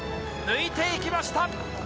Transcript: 抜いていきました。